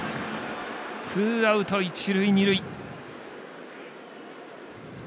ツーアウト、一塁、二塁。